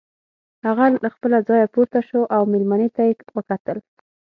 هغه له خپله ځايه پورته شو او مېلمنې ته يې وکتل.